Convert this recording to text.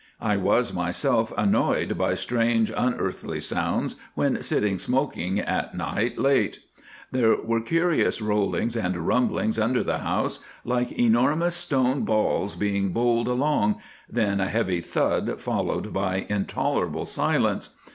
I was myself annoyed by strange unearthly sounds when sitting smoking at night late. There were curious rollings and rumblings under the house, like enormous stone balls being bowled along, then a heavy thud followed by intolerable silence.